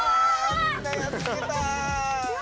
みんなやっつけた。